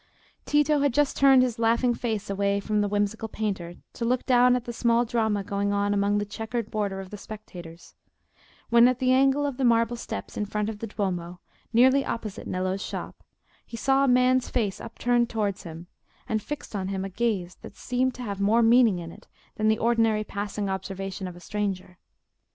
Tito had just turned his laughing face away from the whimsical painter to look down at the small drama going on among the checkered border of spectators, when at the angle of the marble steps in front of the Duomo, nearly opposite Nello's shop, he saw a man's face upturned towards him, and fixing on him a gaze that seemed to have more meaning in it than the ordinary passing observation of a stranger.